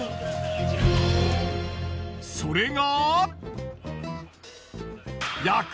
それが。